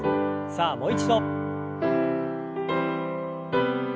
さあもう一度。